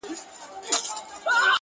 • له آمو تر اباسينه -